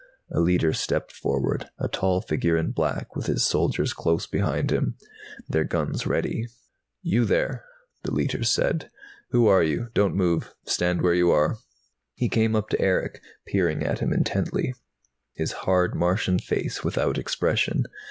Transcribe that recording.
A Leiter stepped forward, a tall figure in black, with his soldiers close behind him, their guns ready. "You three," the Leiter said. "Who are you? Don't move. Stand where you are." He came up to Erick, peering at him intently, his hard Martian face without expression.